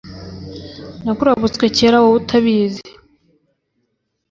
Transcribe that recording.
nakurabutswe kera wowe utabizi